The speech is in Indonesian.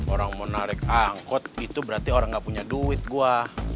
orang mau narik angkut gitu berarti orang gak punya duit gue